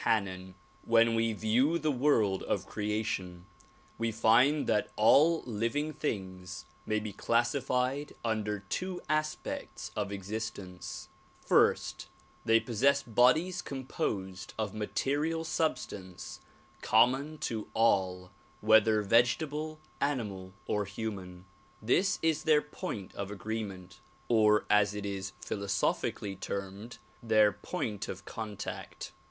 Hannen WHEN we view the world of creation, we find that all living things may be classified under two aspects of existence : First, they possess bodies composed of material substance common to all whether vegetable, animal or human. This is their point of agree ment or as it is philosophically termed, their point of contact.